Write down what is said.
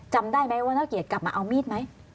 จำได้ไหมว่านักเกียรติกลับมาเอามีดไหม